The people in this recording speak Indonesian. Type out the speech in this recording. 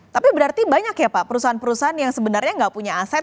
tapi berarti banyak ya pak perusahaan perusahaan yang sebenarnya nggak punya aset